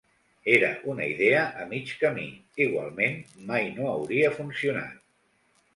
Era una idea a mig camí, igualment mai no hauria funcionat.